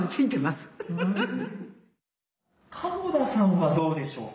鴨田さんはどうでしょうか？